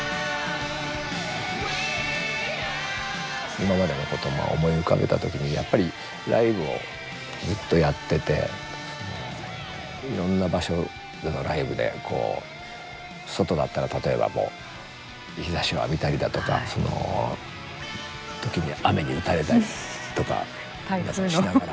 今までのことを思い浮かべたときに、やっぱりライブをずっとやっていていろんな場所でのライブで外だったら例えば、日差しを浴びたりだとか時に雨に打たれたりとか皆さん、しながら。